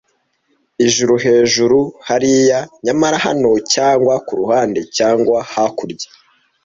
Ijuru hejuru hariya - nyamara hano cyangwa kuruhande, cyangwa hakurya?